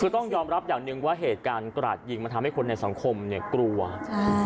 คือต้องยอมรับอย่างหนึ่งว่าเหตุการณ์กราดยิงมันทำให้คนในสังคมเนี่ยกลัวใช่